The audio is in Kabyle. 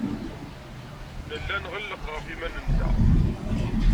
Nella nɣelleq ɣef yiman-nteɣ.